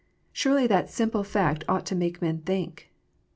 Surely that simple fact ought to make men think.